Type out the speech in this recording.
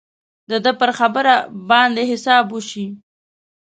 د ده پر خبره باید حساب وشي.